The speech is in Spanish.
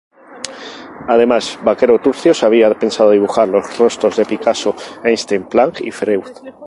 Además, Vaquero Turcios había pensado dibujar los rostros de Picasso, Einstein, Planck y Freud.